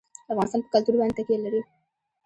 افغانستان په کلتور باندې تکیه لري.